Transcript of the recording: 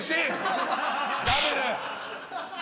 ダブル！